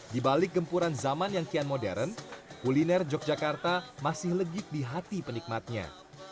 di balik gempuran zaman yang kian modern kuliner yogyakarta masih legit di hati penikmatnya